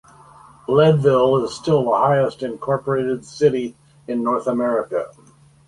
Leadville is still the highest incorporated city in North America.